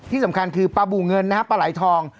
ที่สำคัญคือปลาบูเงินนะฮะปลาไหลทอง